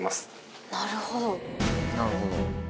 なるほど。